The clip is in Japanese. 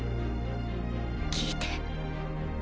聞いて。